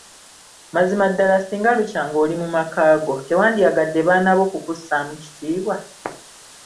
Mazima ddala singa lukya ng'oli mu maka go, teewandyagadde baana bo kukussaamu kitiibwa!